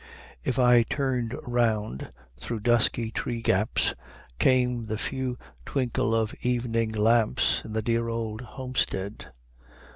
If I turned round, through dusky tree gaps came the first twinkle of evening lamps in the dear old homestead.